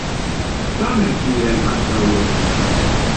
Same kiel antaŭe.